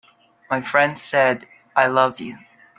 My friend said: "I love you.